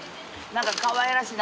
何かかわいらしい。